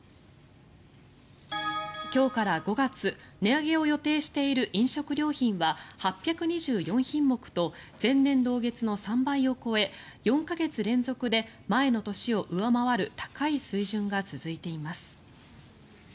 今日から５月値上げを予定している飲食料品は８２４品目と前年同月の３倍を超え４か月連続で前の年を上回る高い水準が続いています。